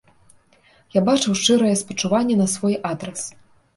Я бачыў шчырае спачуванне на свой адрас.